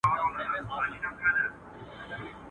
هر گړی ځانته د امن لوری گوري.